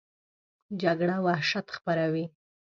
جګړه وحشت خپروي